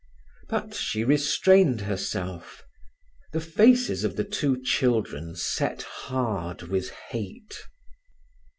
But she restrained herself. The faces of the two children set hard with hate.